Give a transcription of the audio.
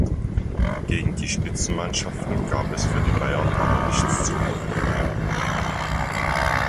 Gegen die Spitzenmannschaften gab es für die Bayern aber nichts zu holen.